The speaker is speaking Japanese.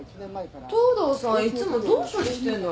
東堂さんいつもどう処理してんだろう？